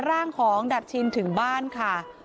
ร่างของดาบชินถึงบ้านค่ะ